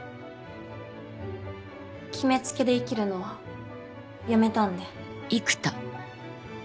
決めつけで生きるのはやめたんで。